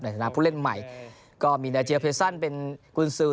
ในธนาคมผู้เล่นใหม่ก็มีนาเจียเฟรซันเป็นกุลซู